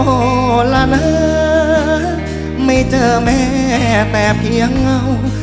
พอละนะไม่เจอแม่แต่เพียงเงา